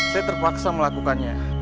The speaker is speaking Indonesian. saya terpaksa melakukannya